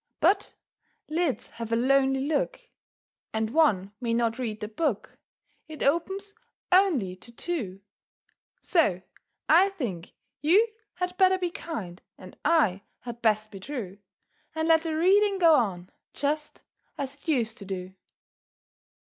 But lids have a lonely look, And one may not read the book It opens only to two; So I think you had better be kind, And I had best be true, And let the reading go on, Just as it used to do.